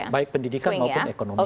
baik pendidikan maupun ekonominya